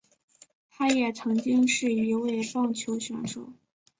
他也曾经是一位棒球选手。